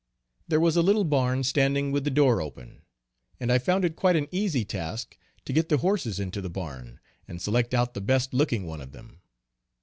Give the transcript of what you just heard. There was a little barn standing with the door open, and I found it quite an easy task to get the horses into the barn, and select out the best looking one of them.